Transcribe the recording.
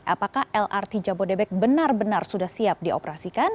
apakah lrt jabodebek benar benar sudah siap dioperasikan